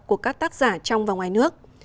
của các tác giả trong và ngoài nước